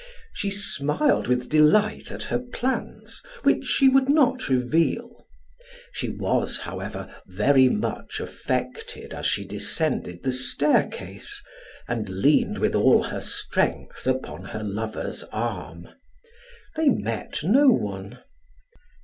She smiled with delight at her plans, which she would not reveal. She was, however, very much affected as she descended the staircase and leaned with all her strength upon her lover's arm. They met no one.